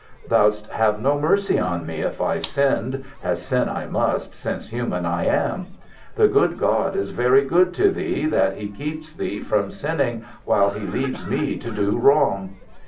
Thou'dst have no mercy on me if I sinned, as sin I must since human I am. The good God is very good to thee that he keeps thee from sinning while he leaves me to do wrong.